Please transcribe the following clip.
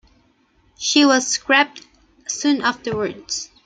She was scrapped soon afterwards.